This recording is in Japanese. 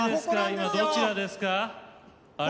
今どちらですか？